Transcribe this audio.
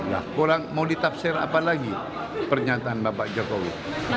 nah mau ditafsir apa lagi pernyataan bapak jokowi